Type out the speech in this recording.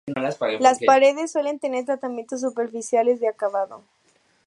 Las paredes suelen tener tratamientos superficiales de acabado.